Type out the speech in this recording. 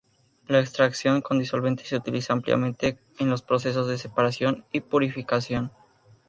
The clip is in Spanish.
La extracción con disolventes se utiliza ampliamente en los procesos de separación y purificación.